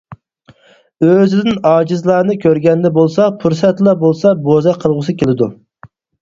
ئۆزىدىن ئاجىزلارنى كۆرگەندە بولسا پۇرسەتلا بولسا بوزەك قىلغۇسى كېلىدۇ.